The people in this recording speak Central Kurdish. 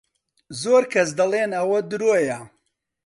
زۆر کەس دەڵێن ئەوە درۆیە.